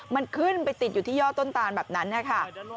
มันขึ้นไปติดอยู่ที่ย่อต้นตานแบบนั้นนะคะ